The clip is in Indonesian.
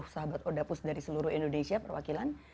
satu ratus dua puluh sahabat odapus dari seluruh indonesia perwakilan